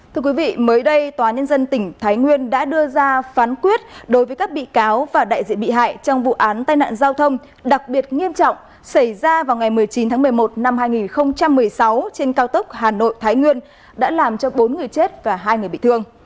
thưa quý vị mới đây tòa nhân dân tỉnh thái nguyên đã đưa ra phán quyết đối với các bị cáo và đại diện bị hại trong vụ án tai nạn giao thông đặc biệt nghiêm trọng xảy ra vào ngày một mươi chín tháng một mươi một năm hai nghìn một mươi sáu trên cao tốc hà nội thái nguyên đã làm cho bốn người chết và hai người bị thương